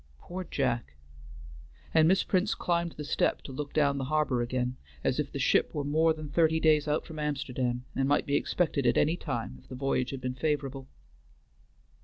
Poor Jack! and Miss Prince climbed the step to look down the harbor again, as if the ship were more than thirty days out from Amsterdam, and might be expected at any time if the voyage had been favorable.